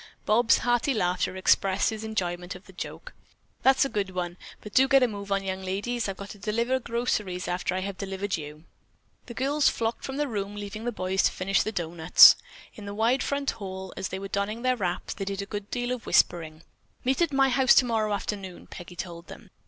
Bob's hearty laughter expressed his enjoyment of the joke. "That's a good one, but do get a move on, young ladies; I've got to deliver groceries after I have delivered you." The girls flocked from the room, leaving the boys to finish the doughnuts. In the wide front hall, as they were donning their wraps, they did a good deal of whispering. "Meet at my house tomorrow afternoon." Peggy told them.